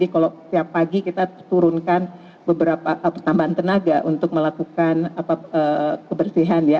kalau tiap pagi kita turunkan beberapa tambahan tenaga untuk melakukan kebersihan ya